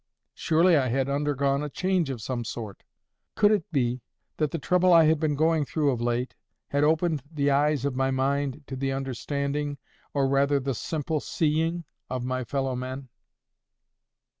Surely I had undergone a change of some sort. Could it be, that the trouble I had been going through of late, had opened the eyes of my mind to the understanding, or rather the simple SEEING, of my fellow men?